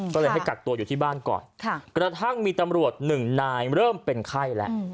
ก็เลยให้กักตัวอยู่ที่บ้านก่อนกระทั่งมีตำรวจหนึ่งนายเริ่มเป็นไข้แล้ว